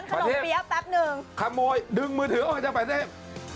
ประเทศขโมยดึงมือถือออกมาจ้ะประเทศ